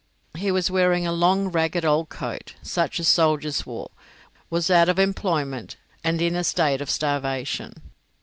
He was wearing a long, ragged old coat, such as soldiers wore, was out of employment, and in a state of starvation.